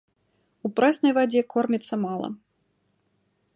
У прэснай вадзе корміцца мала.